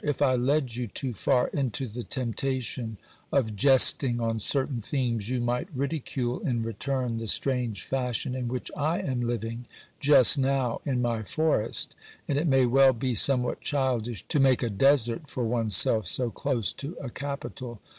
If I led you too far into the temptation of jesting on certain themes, you might ridicule in return the strange fashion in which I am living just now in my forest, and it may well be somewhat childish to make a desert for one's self so close to a capital.